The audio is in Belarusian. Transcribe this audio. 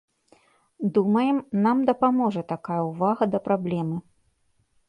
Думаем, нам дапаможа такая ўвага да праблемы.